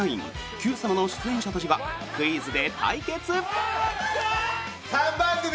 「Ｑさま！！」の出演者たちがクイズで対決！